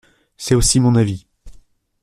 C’est aussi mon avis.